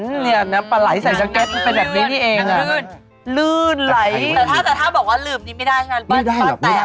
อื้มเนี่ยน้ำปลาไหลใส่สังเก็ตเป็นแบบนี้นี่เองอ่ะอื้มน้ำปลาไหลใส่สังเก็ตเป็นแบบนี้นี่เองอ่ะ